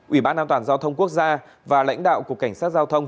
ủy ban an toàn giao thông quốc gia và lãnh đạo cục cảnh sát giao thông